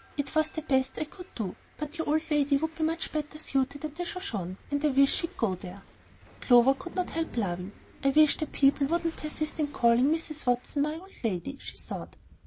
It was the best I could do. But your old lady would be much better suited at the Shoshone, and I wish she'd go there." Clover could not help laughing. "I wish that people wouldn't persist in calling Mrs. Watson my old lady," she thought.